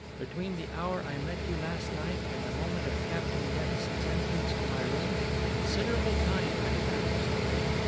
Between the hour I met you last night and the moment of Captain Dennison's entrance to my room considerable time had elapsed."